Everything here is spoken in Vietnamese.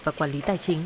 và quản lý tài chính